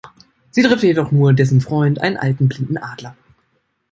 Sie trifft jedoch nur dessen Freund, einen alten blinden Adler.